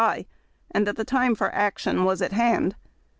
by, and that the time for action was at hand.